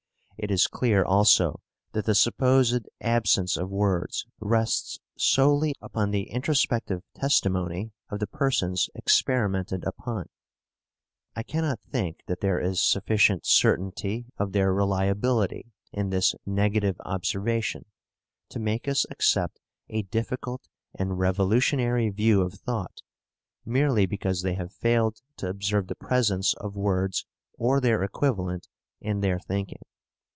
It is clear also that the supposed absence of words rests solely upon the introspective testimony of the persons experimented upon. I cannot think that there is sufficient certainty of their reliability in this negative observation to make us accept a difficult and revolutionary view of thought, merely because they have failed to observe the presence of words or their equivalent in their thinking.